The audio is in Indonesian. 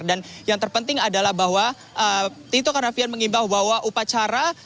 dan yang terpenting adalah bahwa tito karnavian mengimbau bahwa upacara